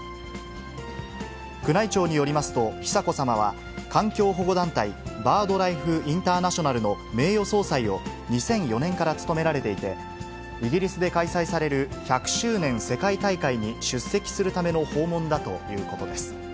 宮内庁によりますと、久子さまは環境保護団体、バードライフ・インターナショナルの名誉総裁を、２００４年から務められていて、イギリスで開催される１００周年世界大会に出席するための訪問だということです。